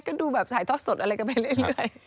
ก็ดูแบบถ่ายทอดสดอะไรกันไปเรื่อย